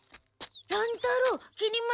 乱太郎きり丸。